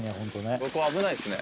ここ危ないですね。